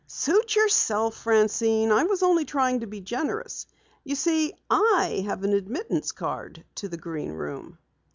"Suit yourself, Francine. I was only trying to be generous. You see, I have an admittance card to the Green Room."